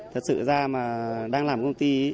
thật sự ra mà đang làm công ty